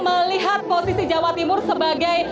melihat posisi jawa timur sebagai